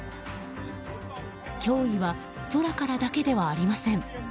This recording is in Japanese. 脅威は空からだけではありません。